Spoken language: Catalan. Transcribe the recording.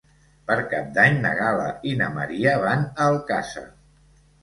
Per Cap d'Any na Gal·la i na Maria van a Alcàsser.